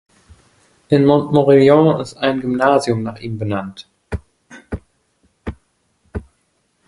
In Montmorillon ist ein Gymnasium nach ihm benannt.